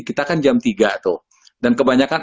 kita kan jam tiga tuh dan kebanyakan